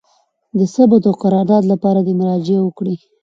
د ثبت او قرارداد لپاره دي مراجعه وکړي: